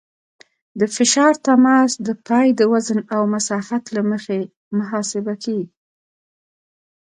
د فشار تماس د پایې د وزن او مساحت له مخې محاسبه کیږي